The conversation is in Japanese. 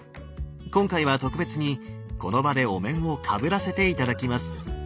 今回は特別にこの場でお面をかぶらせて頂きます。